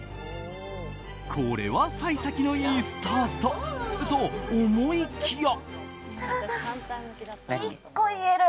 これは幸先のいいスタートと思いきや。